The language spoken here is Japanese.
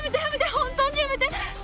本当にやめて！